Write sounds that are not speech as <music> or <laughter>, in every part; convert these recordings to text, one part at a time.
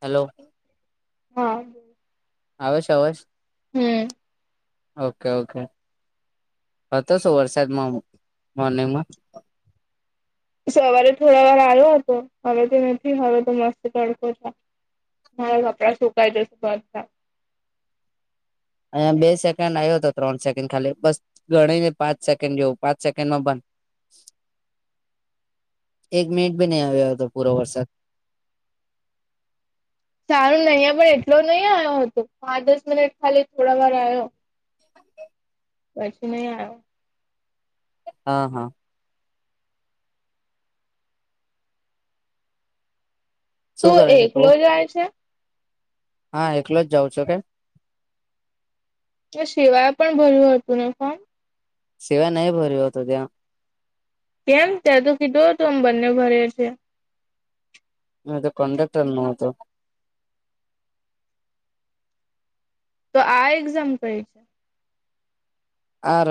Hello હા આવેશ આવશ <unintelligible> okay okay હતો શું વરસાદમાં મોર્નિંગમા સવારે થોડા વાર આવ્યો હતો હવે તો નથી હવે તો મસ્ત તડકો. મારા કપડા સુકાાય છે સુધતા. અહીયા બે સેકન્ડ આવ્યો હતો ત્રણ સેકન્ડ ખાલી બસ. ગણી ને પાંચ સેકન્ડ જોવું પાંચ સેકન્ડમાં બંધ. એક મિનિટ બી નહીં આવ્યો હતો પૂરો વરસાદ. સારું નહી પણ એટલો નહીિ આવ્યો હતો પાંચ દસ મિનિટ ખાલી થોડા વાર આવ્યો. એછ નહી આવ. હા હા. શું કરે છે એકલો તું જાય હા એકલો જ જાઉં છ કે. તો શિવાય પણ ભર્યું હો હતું ને ફોમ. સિવાય નહીં ભર્યો હતો ત્યાં. કેમ ત્યાં તો કીધો તો આમ બંને ભરે છે. તો કડ તલ ન તો. તો આ એક્ઝામ કઈ છે. આ ર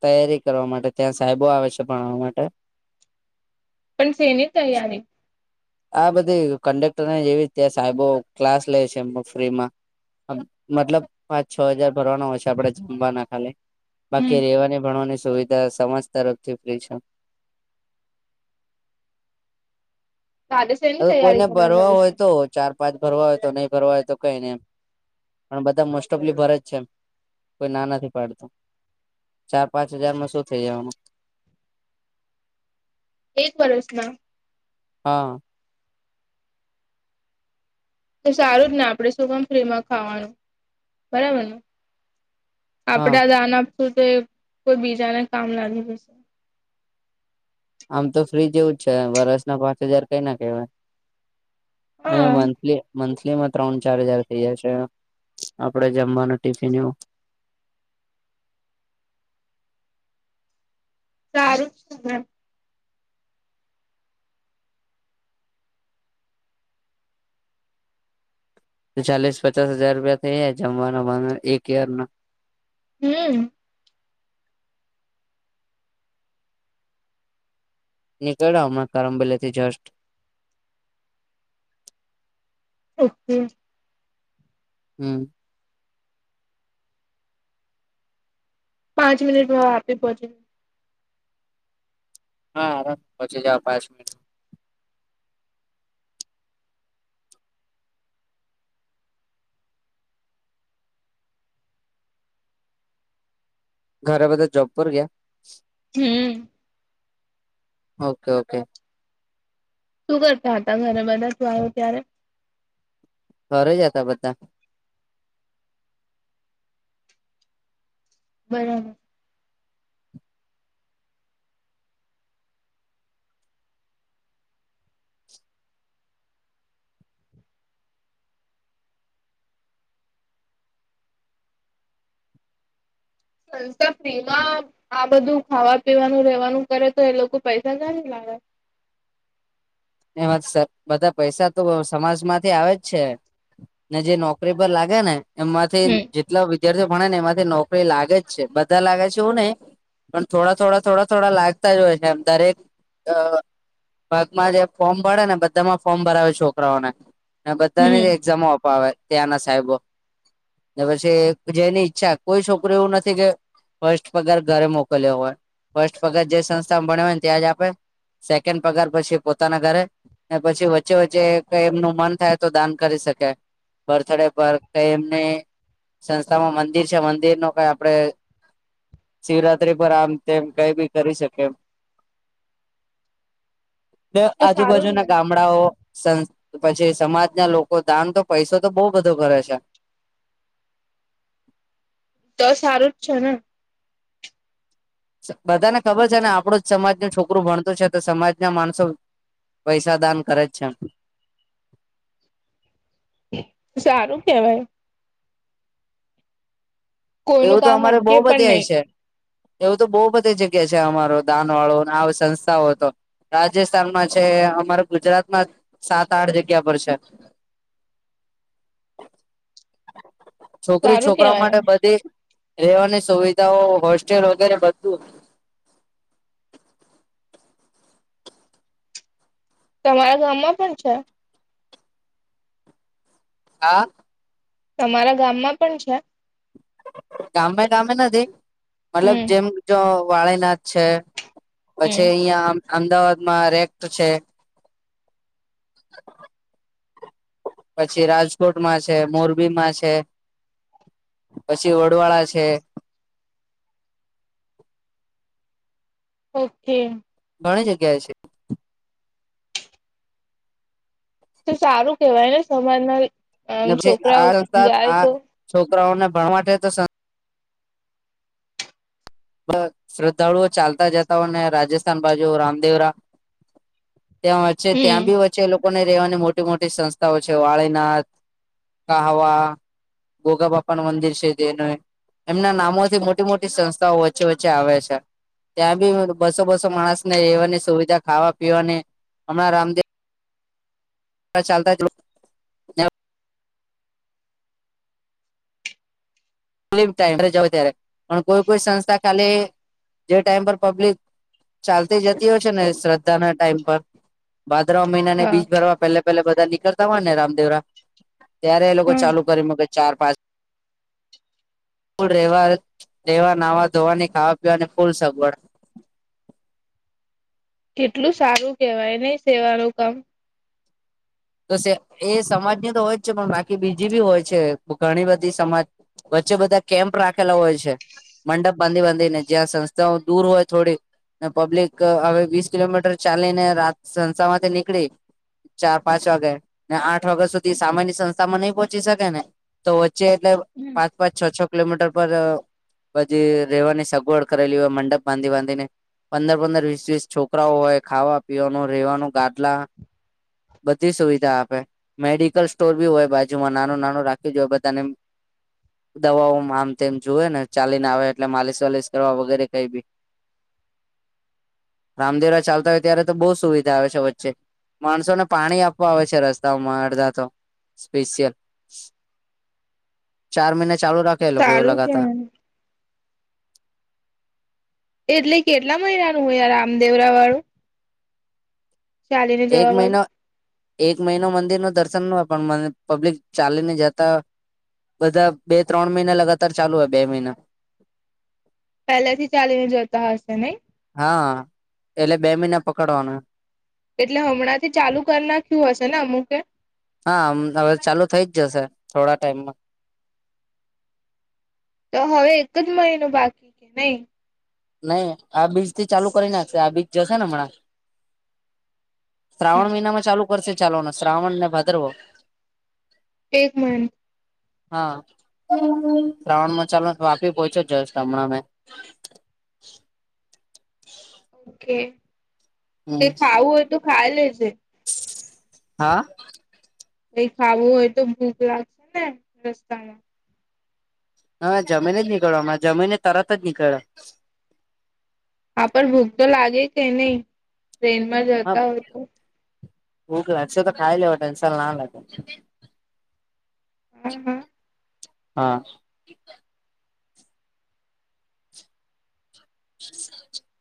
તૈયારી કરવા માટે ત્યાં સાહેબો આવે છે ભણાવા માટે. <inaudible> પણ સેની તૈયારી. આ બધી કંડેક્ટરને જેવી તેયા સાહેબો ક્લાસ લે છે ફ્રીમાં. મતલબ પાંચ છ હાજાર ભરવાનો હોશે આપડે જમવાના. હમ બાકી રેવાની ભણવાની સુવિધા સમાજ તરફથી ફ્રી છે. તારે હ શેની તૈયારી કોઈને કરવા ભરવા જવું હોય તો છે ચાર પાંચ ભરવા હોય તો નહીં ભરવા હોય તો કઈ નેમ. પણ બધા મોસ્ટ ઓફ લી ભરેજ છે કોઈ ના નથી પાડતું. ચાર પાંચ હજારમાં શું થઈ જવાનું. એક વરસ ના. હા. તો સારું જ ને આપણેે શું કામ ફ્રીમાં ખાવાનું બરાબર ને. હા આપડે દાન આપશું તો કોઈ બીજાને કામ ના. આમ તો ફ્રી જેવું જ છે વરષના પાંચ હજાર કઈ ના કહેવાય. હવે હા મથલી મથલી માં. ત્રણ ચાર હજાર થઇ જશે આપડે જમવાનું ટિફિન એવું. સારું. ચાલીસ પચાસ હજાર રૂપિયા થઈ જમવાના એક યર ના હમ્મ. નીકળ્યા હમણા કરમ પેલે થી જસ્ટ. ઓકે. હું. પાંચ મિનિટ વહાં પે પહુંચે. હા હવે પોચી જાવ પાંચ મિનિટ. ઘરે બધા જોબ પર ગયા. હમ્મ. Okay okay. શું કરતા હતા ઘરે બધા તું આવ્યો ત્યારે. ઘરે જ હતા બધા. બરાબર. સંસફનેમાં આ બધું ખાવા પીવાનું રેવાનું કરે તો એ લોકો પૈસા ક્યાંથી લાવે એમાં સ બધા પૈસા તો અ સમાજ માંથી આવે જ છે. ને જે નોકરી પર લાગે ને એમાંથી હમ જ. મતલબ વિદ્યાર્થીઓ ભણે ને એમાંથી નોકરી લાગે જ છે બધા લાગે છે એવું ન‌ઈ. પણ થોડા થોડા થોડા થોડા લાગતા જ હોય છે એમ દરેક‌ અ ભાગમાં જે. ફોર્મ ભળે ને બધામાં ફોર્મ ભરાવે છોકરાઓને ને બધાને હમ એક્ઝામો અપાવે. ત્યાંના સાહેબો તે પછી જેની ઈચ્છા કોઈ છોકરીઓ એવું નથી કે. ફસ્ટ પગાર ઘરે મોકલ્યો હોય ફસ્ટ પગાર જે સંસ્થા ભણે હોય ને ત્યાં જ આપે. સેકન્ડ પગાર પછી પો. પોતાના ઘરે ને પછી વચ્ચે વચ્ચે કઈ એમનું મન થાય તો દાન કરી શકે. બર્થડે પર કે એમને. સંસ્થામાં મંદિર છે મંદિર નુ કઈ આપડે શિવરાત્રી પર આમ તેમ કઈ બી કરી શકે એમ. બે તો સારું આજુબાજુ ના જ ને ગામ. ગામડાઓ સંસ પછી સમાજ ના લોકો દાન તો પૈસો તો બહુ બંધો કરે છે. તો સારું જ છે ને. બધાને ખબર છે ને આપણું જ સમાજનું છોકરું ભણતું છે તો સમાજના માણસો પૈસા દાન કરે છે. સારું કેવાય. કોઈનું એવું તો કામ અમારે બહુ અટકે પણ બધી આએ નહી છે. એવું તો બહુ બધી જગ્યા છે અમારો દાન વાળો આવો સંસ્થાઓ તો. રાજસ્થાનમાં છે અમારા ગુજરાતમાં સાત આઠ જગ્યા પર છે. છોકરી સારું છોકરા કેવાય માટે બધ. રેવાની સુવિધાઓ હોસ્ટેલ વગેરે બધું. તમારા ગામમાં પણ છે. હા. તમારા ગામમાં પણ છે. ગામે ગામે નથી મતલબ હમ જેમ જો વાળીનાથ છે. હમ પછી અહિયાં અમદાવાદમાં રેક્ટ છે. પછી રાજકોટમાં છે મોરબીમાં છે પછી વડવાડા છે. ઓકે. ઘણી જગ્યા એ છે. તો સારું કેહેવાય ને સમાજના ને અ પછી છોકરાઓ આ સંસ્થા જાય આ તો. છોકરાઓને ભણવા માટે તો. બ શ્રદ્ધાળુઓ ચાલતા જતા હોય ને રાજસ્થાન બાજુ રામદેવરા ત્યાં વચ્ચે ત્યાં હમ બી વચ્ચે લોકોને રહેવાની મોટી મોટી સંસ્થાઓ છે વાળીનાથ કાવા ગોગા બાપા નુ મંદિર છે તેને એમના નામોથી મોટી મોટી સંસ્થાઓ હોય વચ્ચે વચ્ચે આવે છે. ત્યાં બી બસો બસો માણસ ને રહેેવાની સુવિધા ખાવા પીવાને હમણાં રામદેવ રા ચાલતા લો તે જાય ત્યારે પણ કોઈ કોઈ સંસ્થા ખાલી જે ટાઈમ પર પબ્લિક ચાલતી જતી હોય છે ને શ્રદ્ધા ના ટાઈમ પર ભાદ્રવા મહિના ને હા બીજ ભરવા પહેલે પહેલા બધા નીકળતા હોય ને રામદેવરા ત્યારે એ લોકો હમ ચાલુ કરી મકે ચાર પાંચ ફૂલ રેવા રેવા નાવા ધોવાની ખાવા પીવાની ફૂલ સગવડ કેટલું સારું કેવાય નહી સેવાનું કામ તો એ સમાજની તો હોય જ છે પણ બાકી બીજી બી હોય છે ઘણી બધી સમાજ વચ્ચે બધા કેમ્પ રાખેલા હોય છે. મંડપ બાંધી બાંધીને જ્યાં સંસ્થાઓ દૂર હોય થોડી ને પબ્લિક હવે વીસ કિલોમીટર ચાલી ને રાત સંસામાંથી નીકળી ચાર પાંચ વાગે ને આઠ વાગ્યા સુધી સામાન્ય સંસ્થામાં નઈ પહોંચી શકે ને તો વચ્ચે એટલે હમ પાંચ પાંચ છ છ કિલોમીટર પર અ પછી રહેવાની સગવડ કરેલી હોય મંડપ બાંધી બાંધી ને પંદર પંદર વીસ વીસ છોકરાઓ હોય ખાવા પીવાનું રહેેવાનું ગાદલા બધી સુવિધા આપે મેડિકલ સ્ટોર બી હોય બાજુમાં નાનું નાનું રાખ્યું જ હોય બધાને દવાઓ આમ તેમ જુવે ને ચાલીને આવે એટલે માલિશ વાલીશ કરવા વગેરે કઈ બી <inaudible> રામદેરા ચાલતા હોય ત્યારે તો બહુ સુવિધા આવે છે વચ્ચે માણસોને પાણી આપવા આવે છે રસ્તાઓમાં અડધા તો સ્પેશિયલ. ચાર મહિના ચાલુ રાખે એ લોકો કે એવું સારું લગાતાર. કેવાય એટલે કેટલા મહિનાનું હોય આ રામદેવરા વાળું. ચાલીને એક જવા મહિનો વાળું એક મહિનો મંદિર નુ દર્શન હોય પણ પબ્લિક ચાલીને જતા બધા બે ત્રણ મહિના લગાતાર ચાલુ હોય બે મહિના. પેલે થી ચાલીને જતા હશે નઈ. હા એટલે બે મહિના પકડવાનું. એટલે હમણાં થી ચાલુ કરી નાખ્યું હશે ને અમુકે હામ હવે ચાલુ થઇ જ જશે થોડા ટાઈમમાં. તો હવે એક જ મહિનો બાકી નહી. નહી આ બીજ થી ચાલુ કરી નાખશે આ બીજ જશે ને હમણાં. શ્રાવણ મહિનામાં ચાલુ કરશે ચાલવાનો શ્રાવણ ને ભાદરવો. એક મહિનો હા શ્રાવણ ચાલો તો વાપી પહોંચો જશ હમણાં મે ઓકે તે હમ ખાવું હોય તો ખા લેજે. હા. કઈ ખાવું હોય તો ભૂખ લાગશે ને રસ્તા માં. હા જમી ને જ નીકળયો હમણાં જમીને તરત જ નીકળ્યો. હા પણ ભૂખ તો લાગે કે નહી? ટ્રેનમાં હા જતા હોય તો? ભૂખ લાગશે તો ખાય લ્યો હો ટેન્શન ના લે તો. હા હા હા <inaudible>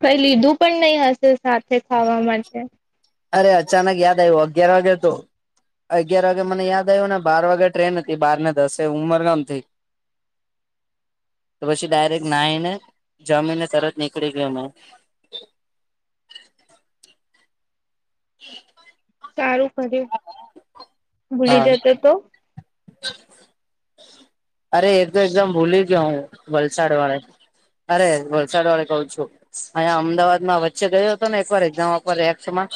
કઈ લીધું પણ નહી હશે સાથે ખાવા માટે. અરે અચાનક યાદ આવ્યું અગિયાર વાગ્યે તો અગિયાર વાગે મને યાદ આવ્યો ને બાર વાગે ટ્રેન હતી બાર ને દસે ઉમરગામ થી <inaudible> તો પછી ડાયરેક્ટ નાઈને જમીને તરત નીકળી ગયો મેં. એ સારું કર્યું ભૂલી હા જતો તો અરે એ તો એકદમ ભૂલી જયો હું વલસાડ વાળે અરે વલસાડ વાળે કઉ છું. અહીંયા અમદાવાદમાં વચ્ચે ગયો હતો ને એકવાર એક્ઝામ આપવા રેક્સમાં.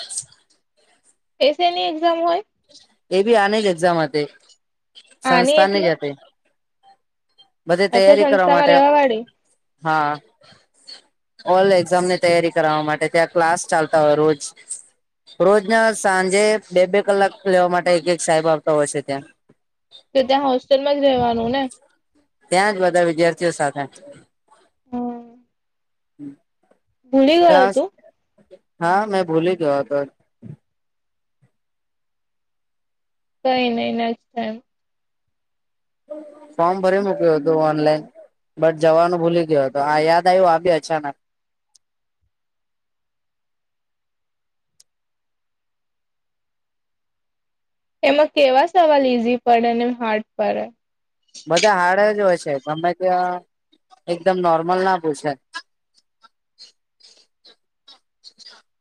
એ શેની એક્ઝામ હોય? એબી આની જ એક્ઝામ હતી. આની સંસ્કારની જ એટલે હતી. બધી અચ્છા તૈયારી કરવા સંસ્થામાં માટે રહેવા વાળી હા. ઓલ એક્ઝામની તૈયારી કરાવા માટે ત્યાં ક્લાસ ચાલતા હોય રોજ. રોજના સાંજે બે બે કલાક લેવા માટે એક એક સાહેબ આવતા હોય છે ત્યાં. કે ત્યાં હોસ્ટેલમાં જ રહેવાનું ને? ત્યાં જ બધા વિદ્યાર્થીઓ સાથે. હમ, હમ ભૂલી ગયો તું? હા મેં ભૂલી ગયો હતો. કઈ નહીં નેક્સ્ટ ટાઈમ. ફોર્મ ભરી મુક્યો હતો ઓનલાઈન. બટ જવાનું ભૂલી ગયો હતો. આ યાદ આવ્યું આ બી અચાનક. એમાં કેવા સવાલ ઈઝી પડે ને હાર્ડ પડે? બધાં હાર્ડ જ હોય છે. ગમે ત્યાં એકદમ નોર્મલ ના પૂછે. <inaudible>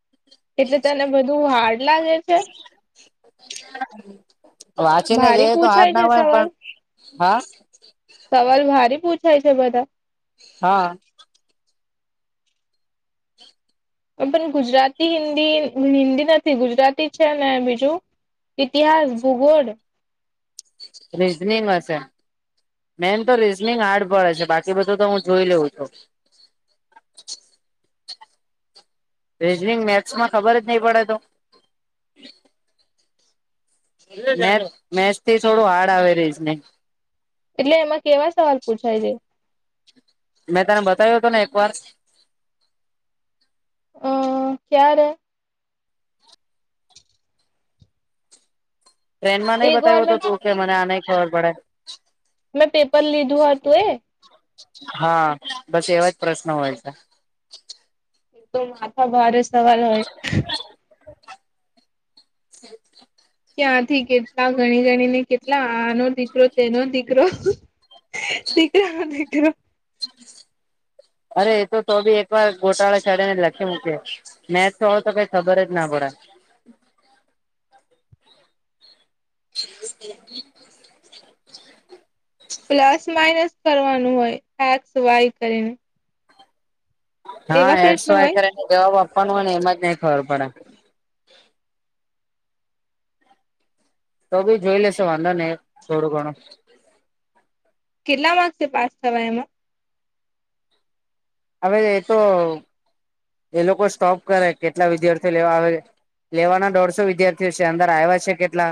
એટલે તને બધું હાર્ડ લાગે છે? <inaudible> વાંચીને ભારી જઇએ તો હાર્ડ પૂછાય ના છે પડે પણ સવાલ હા? સવાલ ભારી પૂછાય છે બધાં? હા અરે પણ ગુજરાતી, હિન્દી, હિન્દી નથી ગુજરાતી છે ને બીજું? ઇતિહાસ, ભૂગોળ? રીઝનીંગ હશે. મેન તો રીઝનિંગ હાર્ડ પડે છે. બાકી બધું તો હું જોઈ લેઉં છું. રીઝનિંગ, મેથસમાં ખબર જ નહીં પડે તો? મેથ્સ મેક્સથી થોડું હાર્ડ આવે રીઝનીંગ. એટલે એમાં કેવા સવાલ પૂછાય છે? મેં તને બતાયો તોને એકવાર? અ ક્યારે? ટ્રેનમાં નઈ એક વાર બતાવ્યો મે તો, તું કે મને આ નહીં ખબર પડે. મેં પેપર લીધું હતું એ? હા, બસ એવા જ પ્રશ્ન હોય છે. તો માથા ભારે સવાલ હોય. <inaudible> ત્યાંથી કેટલા ગણી ગણીને કેટલા આનો દીકરો, તેનો દીકરો. દીકરાનો દીકરો <inaudible> અરે એતો તો બી એકવાર ગોટાળે ચડેને લખી મૂકે. મેથ્સ હોય તો કઈ ખબર જ ના પડે. <inaudible> પ્લસ, માઇનસ કરવાનું હોય. એક્સ, વાય કરીને. હા એવા એકસો પ્રશ્ન એક હોય જવાબ આપવાનું હોય ને એમાં જ નઈ ખબર પડે. તો બી જોઈ લેશું વાંધો નહીં, થોડું ઘણું. કેટલા માર્ક્સએ પાસ થવાય એમાં? હવે એતો એ લોકો સ્ટોપ કરે કેટલા વિદ્યાર્થીઓ લેવા આવે છે. લેવાના દોઢસો વિદ્યાર્થીઓ છે. અંદર આવ્યા છે. કેટલા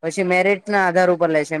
પછી મેરિટ ના આધાર ઉપર લે છે.